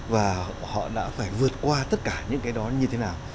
và họ đã phải vượt qua tất cả những cái đó như thế nào